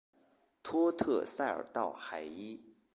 托特塞尔道海伊。